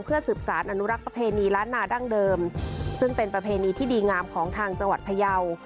เพื่อสืบสารอนุรักษ์ประเพณีล้านนาดั้งเดิมซึ่งเป็นประเพณีที่ดีงามของทางจังหวัดพยาว